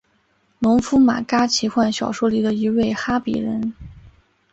农夫马嘎奇幻小说里的一位哈比人。